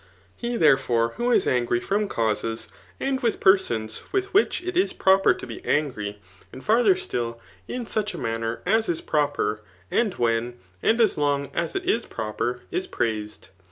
Hef thei^foiie» who Is s«gry from causes, 8a4 with peffsoQs with wUeh it is pFoqper tp be ai^ry> an4 £iMrther still, in such a manner as is proper, and ^ei^ and as long as it is proper, is praised.